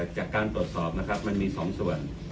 จากการตรวจสอบมันมี๒ส่วน